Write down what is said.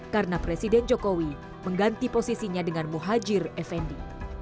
karena presiden jokowi mengganti posisinya dengan muhajir effendi